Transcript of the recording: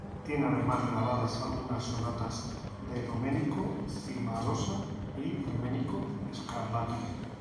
Tiene además grabadas algunas Sonatas de Domenico Cimarosa y Domenico Scarlatti.